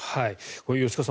吉川さん